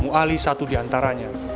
muali satu diantaranya